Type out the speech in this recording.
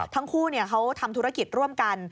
ทั้งคู่เขาทำธุรกิจร่วมกัน